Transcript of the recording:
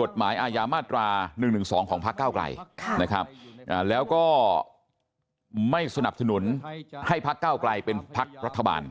กฎหมายอาญามาตรา๑๑๒ของพักเก้าไกลนะครับแล้วก็ไม่สนับสนุนให้พักเก้าไกลเป็นพักรัฐบาล